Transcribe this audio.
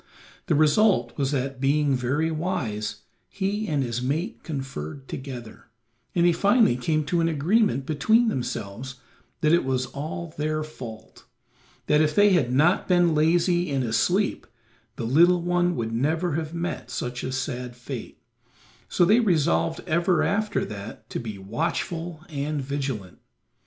The result was that, being very wise, he and his mate conferred together, and they finally came to an agreement between themselves that it was all their fault; that if they had not been lazy and asleep the little one would never have met such a sad fate, so they resolved ever after that to be watchful and vigilant.